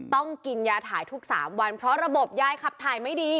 ต้องกินยาถ่ายทุก๓วันเพราะระบบยายขับถ่ายไม่ดี